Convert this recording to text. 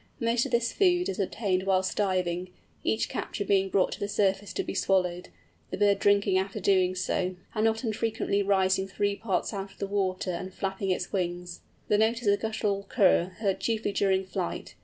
Most of this food is obtained whilst diving, each capture being brought to the surface to be swallowed, the bird drinking after doing so, and not unfrequently rising three parts out of the water and flapping its wings. The note is a guttural kurr, heard chiefly during flight.